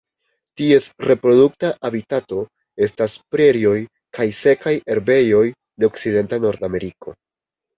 Ties reprodukta habitato estas prerioj kaj sekaj herbejoj de okcidenta Nordameriko.